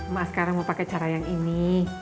mas sekarang mau pakai cara yang ini